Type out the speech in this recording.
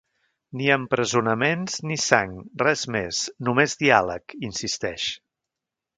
Ni empresonaments, ni sang, res més, només diàleg, insisteix.